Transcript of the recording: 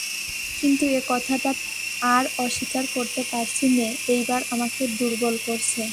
কিন্তু এ কথাটা আর অস্বীকার করতে পারছি নে এইবার আমাকে দুর্বল করছে।